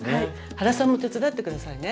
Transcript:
原さんも手伝って下さいね。